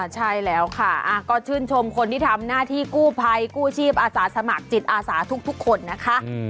ใช่แล้วค่ะก็ชื่นชมคนที่ทำหน้าที่กู้ภัยกู้ชีพอาสาสมัครจิตอาสาทุกคนนะคะ